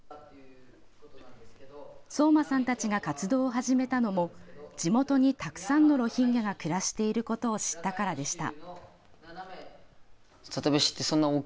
聡真さんたちが活動を始めたのも地元にたくさんのロヒンギャが暮らしていることを知ったからでした。